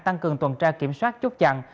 tăng cường tuần tra kiểm soát chốt chặn